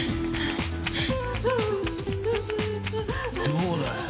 どうだよ？